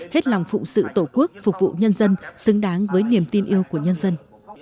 hết lòng phụng sự tổ quốc phục vụ nhân dân xứng đáng với niềm tin yêu của nhân dân